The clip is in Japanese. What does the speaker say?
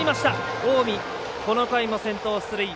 近江、この回も先頭出塁。